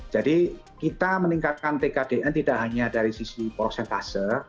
jadi kita meningkatkan tkdn tidak hanya dari sisi proses kasus